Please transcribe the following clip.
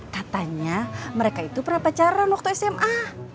katanya mereka itu pernah pacaran waktu sma